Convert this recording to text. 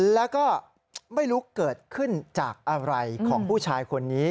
แล้วก็ไม่รู้เกิดขึ้นจากอะไรของผู้ชายคนนี้